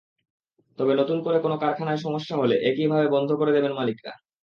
তবে নতুন করে কোনো কারখানায় সমস্যা হলে একইভাবে বন্ধ করে দেবেন মালিকেরা।